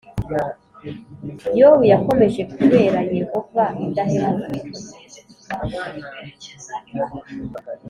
Yobu yakomeje kubera Yehova indahemuka.